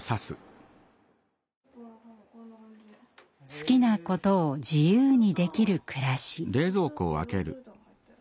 好きなことを自由にできる暮らし。